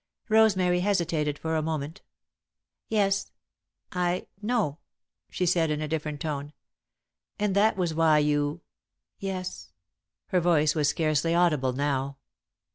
Rosemary hesitated for a moment. "Yes, I know," she said, in a different tone. "And that was why you " "Yes." Her voice was scarcely audible now.